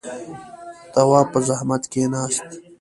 تواب په زحمت کېناست.